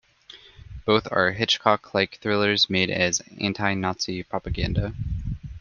Both are Hitchcock-like thrillers made as anti-Nazi propaganda.